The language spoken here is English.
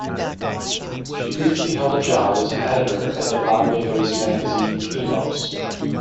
She briefly held a job as an editor at the Bombay-based magazine Key Notes.